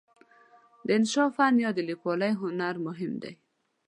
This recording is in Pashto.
د انشأ فن یا د لیکوالۍ هنر مهم دی.